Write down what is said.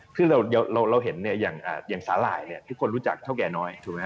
เพราะเราเห็นอย่างสาหร่ายที่คนรู้จักเท่าแก่น้อย